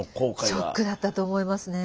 ショックだったと思いますね。